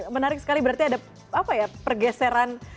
menarik sekali berarti ada apa ya pergeseran